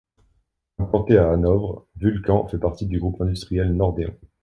Implantée à Hanovre, Vulkan fait partie du groupe industriel Nordeon.